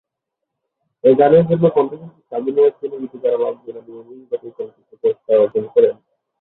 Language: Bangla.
এ গানের জন্য কণ্ঠশিল্পী সাবিনা ইয়াসমিন ও গীতিকার আলাউদ্দিন আলী উভয়ই জাতীয় চলচ্চিত্র পুরস্কার অর্জন করেন।